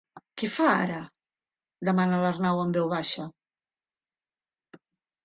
Què fa, ara? —demana l'Arnau en veu baixa—.